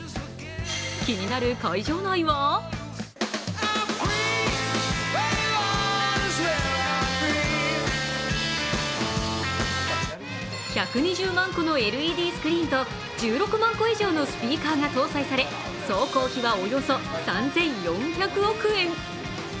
気になる会場内は１２０万個のＬＥＤスクリーンと１６万個以上のスピーカーが搭載され総工費はおよそ３４００億円。